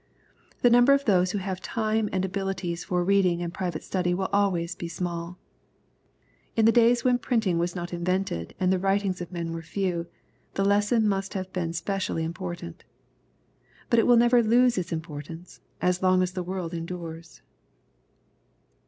The number of those who nave time and abilities for reading and private study will always be small In the dajrs when printing was not invented, and the writings of men were few, the lesson must have been specially important But it will never lose its importance as long as the world endures.